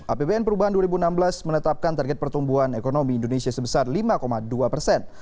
apbn perubahan dua ribu enam belas menetapkan target pertumbuhan ekonomi indonesia sebesar lima dua persen